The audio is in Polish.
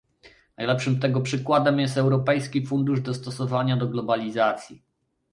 Najlepszym tego przykładem jest Europejski Fundusz Dostosowania do Globalizacji